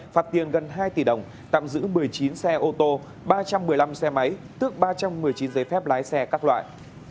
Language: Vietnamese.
phạt tiền gần hai tỷ đồng tạm giữ một mươi chín xe ô tô ba trăm một mươi năm xe máy tước ba trăm một mươi chín giấy phép lái xe các loại